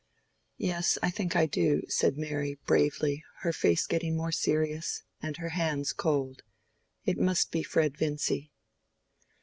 "Yes, I think I do," said Mary, bravely, her face getting more serious, and her hands cold; "it must be Fred Vincy."